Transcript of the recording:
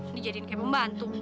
dijadikan kayak pembantu